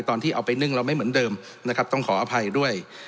ตอนที่เอาไปนึ่งเราไม่เหมือนเดิมนะครับต้องขออภัยด้วย